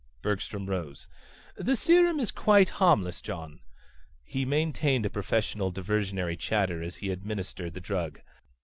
Bergstrom rose. "The serum is quite harmless, John." He maintained a professional diversionary chatter as he administered the drug.